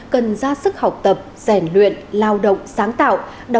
cần ra sức học tập rèn luyện lao động sáng tạo